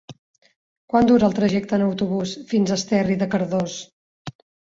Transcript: Quant dura el trajecte en autobús fins a Esterri de Cardós?